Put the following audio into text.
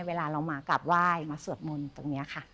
เวลาเรามากราบไหว้มาสวดมนต์ตรงนี้ค่ะ